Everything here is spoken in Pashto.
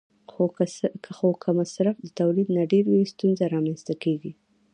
خو که مصرف د تولید نه ډېر وي، ستونزې رامنځته کېږي.